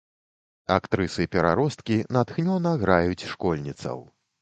Актрысы-пераросткі натхнёна граюць школьніцаў.